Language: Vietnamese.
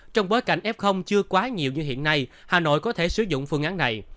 trong bối cảnh f chưa quá nhiều như hiện nay hà nội có thể sử dụng phương án này